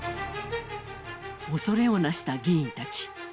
おそれをなした議員たち。